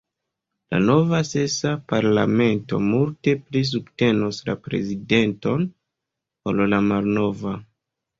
La nova, sesa, parlamento multe pli subtenos la prezidenton ol la malnova.